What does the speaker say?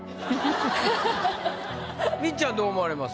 みっちゃんどう思われます？